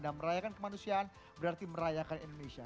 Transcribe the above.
dan merayakan kemanusiaan berarti merayakan indonesia